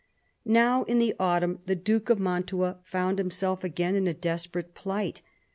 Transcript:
Now, in the autumn, the Duke of Mantua found him self again in a desperate plight.